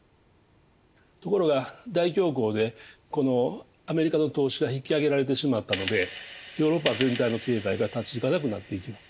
ところが大恐慌でこのアメリカの投資が引きあげられてしまったのでヨーロッパ全体の経済が立ち行かなくなっていきます。